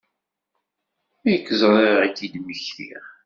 Mi k-ẓriɣ i k-d-mmektiɣ.